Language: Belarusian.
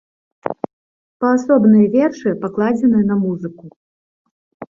Паасобныя вершы пакладзены на музыку.